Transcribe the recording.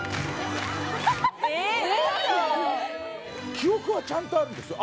記憶はちゃんとあるんですよ